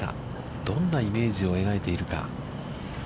どんなイメージを描いているか。